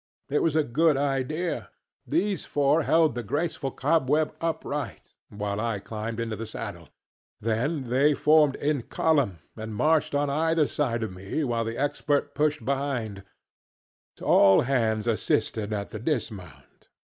It was a good idea. These four held the graceful cobweb upright while I climbed into the saddle; then they formed in column and marched on either side of me while the Expert pushed behind; all hands assisted at the dismount.